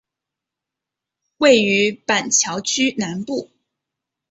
位于板桥区南部。